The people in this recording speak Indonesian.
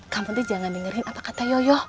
kamu tuh jangan dengerin apa kata yoyo